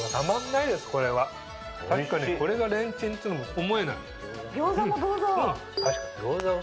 確かにこれがレンチンってのも思えない。